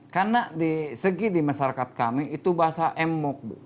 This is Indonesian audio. karena di segi di masyarakat kami itu bahasa emok